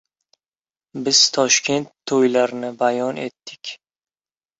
Biz Toshkent to‘ylarini bayon etdik.